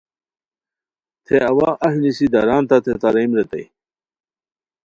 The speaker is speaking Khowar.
تھے اوا اہی نیسی داران تتے تارئیم ریتائے